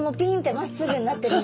まっすぐになってるんですか？